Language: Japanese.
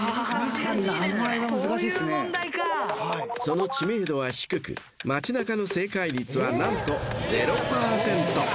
［その知名度は低く街中の正解率は何と０％］